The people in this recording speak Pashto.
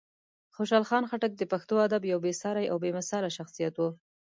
خوشحال خان خټک د پښتو ادب یو بېساری او بېمثاله شخصیت و.